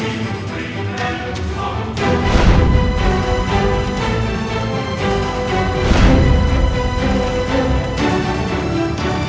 sendika gusti prabu